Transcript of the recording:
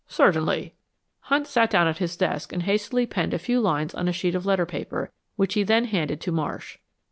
"Certainly." Hunt sat down at his desk and hastily penned a few lines on a sheet of letter paper, which he then handed to Marsh.